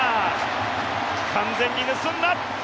完全に盗んだ。